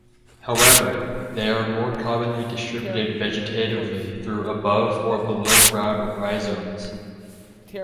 However, they are more commonly distributed vegetatively through above- or below-ground rhizomes.